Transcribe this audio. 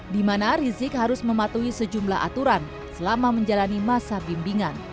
di mana rizik harus mematuhi sejumlah aturan selama menjalani masa bimbingan